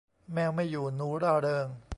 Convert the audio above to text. แมวไม่อยู่ หนูร่าเริง